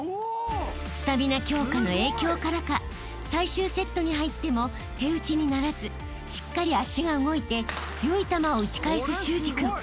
［スタミナ強化の影響からか最終セットに入っても手打ちにならずしっかり足が動いて強い球を打ち返す修志君］